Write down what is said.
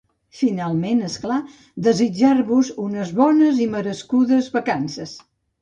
Finalment, és clar, desitjar-vos unes bones i merescudes vacances!